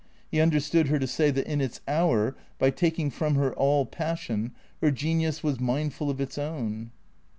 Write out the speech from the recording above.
He understood her to say that in its hour, by taking from her all passion, her genius was mindful of its own.